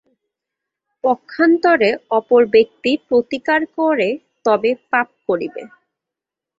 পক্ষান্তরে অপর ব্যক্তি প্রতিকার করে, তবে পাপ করিবে।